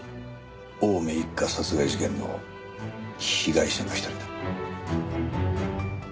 青梅一家殺害事件の被害者の一人だ。